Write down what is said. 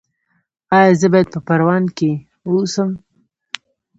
ایا زه باید په پروان کې اوسم؟